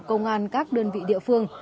công an các đơn vị địa phương